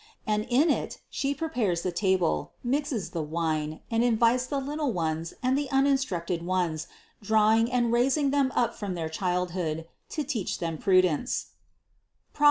and in it She prepares the table, mixes the wine, and invites the little ones and the uninstructed ones drawing and raising them up from their childhood to teach them prudence (Prov.